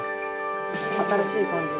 新しい感じが。